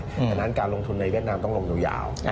ดังนั้นการลงทุนในเวียดนามต้องลงยาว